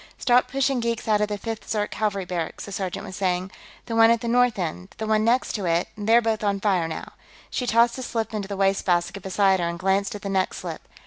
"Start pushing geeks out of the Fifth Zirk Cavalry barracks," the sergeant was saying. "The one at the north end, and the one next to it; they're both on fire, now." She tossed a slip into the wastebasket beside her and glanced at the next slip.